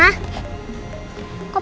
saya masuk ke dalam dulu